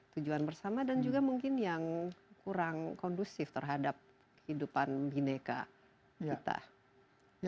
tujuan bersama dan juga mungkin yang kurang kondusif terhadap kehidupan bineka kita